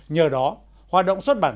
nhờ đó hoạt động xuất bản